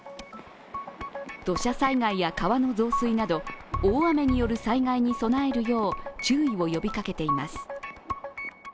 土砂災害や川の増水など、大雨による災害に備えるよう注意を呼びかけています。